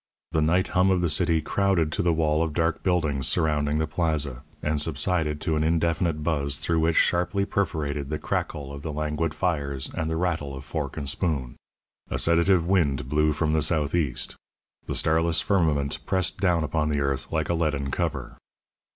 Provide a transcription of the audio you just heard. The night hum of the city crowded to the wall of dark buildings surrounding the Plaza, and subsided to an indefinite buzz through which sharply perforated the crackle of the languid fires and the rattle of fork and spoon. A sedative wind blew from the southeast. The starless firmament pressed down upon the earth like a leaden cover.